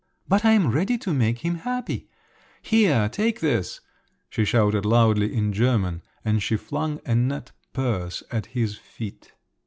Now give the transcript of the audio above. "But I am ready to make him happy. Here, take this," she shouted loudly in German, and she flung a net purse at his feet.